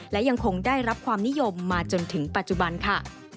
และยังคงได้รับความนิยมมาจนถึงปัจจุบันค่ะ